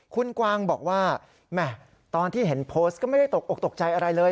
คุณกวางบอกว่าแหม่ตอนที่เห็นโพสต์ก็ไม่ได้ตกออกตกใจอะไรเลย